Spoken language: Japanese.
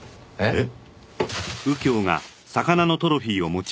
えっ？